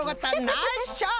ナイスショット！